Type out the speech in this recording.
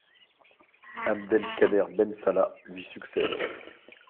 Abdelkader Bensalah lui succède.